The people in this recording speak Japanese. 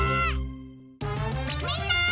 みんな！